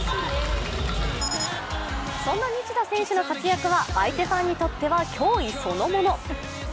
そんな西田選手の活躍は相手ファンにとっては脅威そのもの。